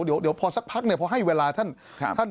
เดี๋ยวพอสักพักเนี่ยพอให้เวลาท่าน